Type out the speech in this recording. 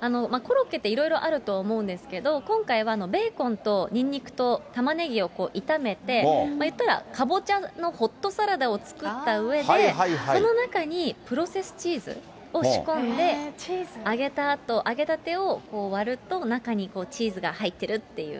コロッケっていろいろあるとは思うんですけど、今回はベーコンとニンニクとたまねぎを炒めて、言ったらかぼちゃのホットサラダを作ったうえで、その中にプロセスチーズを仕込んで、揚げたあと、揚げたてを割ると、中にチーズが入ってるっていう。